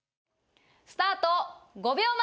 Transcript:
スタート５秒前！